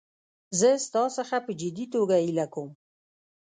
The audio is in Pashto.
زه ستا څخه په جدي توګه هیله کوم.